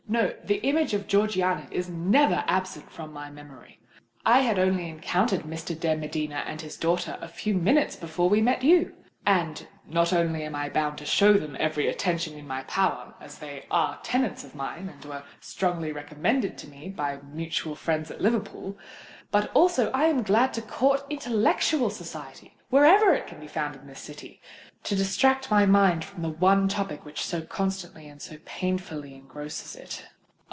No: the image of Georgiana is never absent from my memory. I had only encountered Mr. de Medina and his daughter a few minutes before we met you; and, not only am I bound to show them every attention in my power, as they are tenants of mine and were strongly recommended to me by mutual friends at Liverpool—but also I am glad to court intellectual society, wherever it can be found in this city, to distract my mind from the one topic which so constantly and so painfully engrosses it."